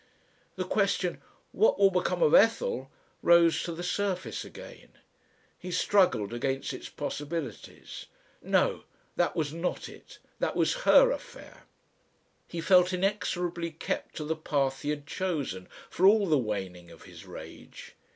The question, "What will become of Ethel?" rose to the surface again. He struggled against its possibilities. No! That was not it! That was her affair. He felt inexorably kept to the path he had chosen, for all the waning of his rage.